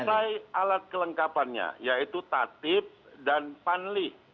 juni selesai alat kelengkapannya yaitu tatip dan panli